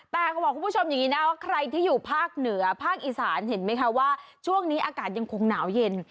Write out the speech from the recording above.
แต่เขาบอกคุณผู้ชมอย่างนี้นะว่าใครที่อยู่ภาคเหนือภาคอีสานเห็นไหมคะว่าช่วงนี้อากาศยังคงหนาวเย็น